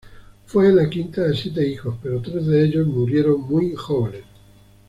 Fue la quinta de siete hijos, pero tres de ellos murieron muy jóvenes.